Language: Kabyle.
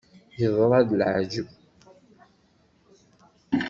Yeḍra-d leεǧeb!